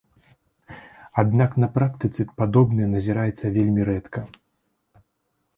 Аднак на практыцы падобнае назіраецца вельмі рэдка.